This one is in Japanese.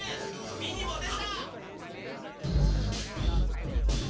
ミニも出た！